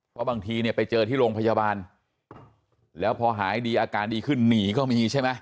เพราะบางทีเนี่ยไปเจอที่โรงพยาบาลแล้วพอหายดีอาการดีขึ้นหนีก็มีใช่ไหม